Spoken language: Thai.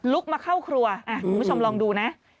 มาเข้าครัวคุณผู้ชมลองดูนะ